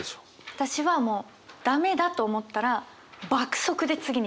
私はもう駄目だと思ったら爆速で次にいきます。